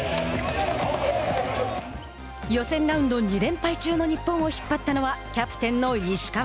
予選ラウンド２連敗中の日本を引っ張ったのはキャプテンの石川。